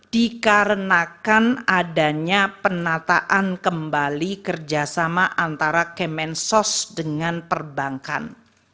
dikarenakan adanya penataan kembali kerjasama antara kemensos dengan perbankan